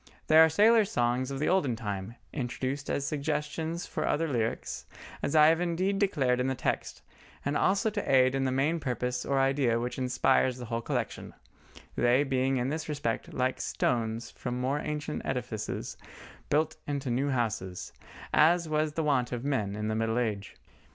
They are sailors' songs of the olden time, introduced as suggestions for other lyrics, as I have indeed declared in the text, and also to aid in the main purpose or idea which inspires the whole collection—they being in this respect like stones from more ancient edifices built into new houses, as was the wont of men in the middle age.